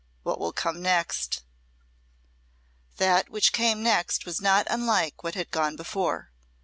What will come next?" That which came next was not unlike what had gone before.